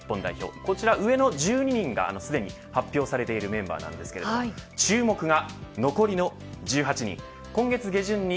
こちら、上の１２人が、すでに発表されているメンバーなんですけれども注目が残りの１８人。